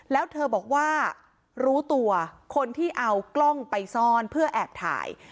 แล้วเธอบอกว่ารู้ตัวคนที่เอากล้องไปซ่อนเพื่อแอบถ่าย